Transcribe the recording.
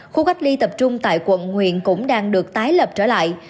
khu cách ly tập trung tại quận huyện cũng đang được tái lập trở lại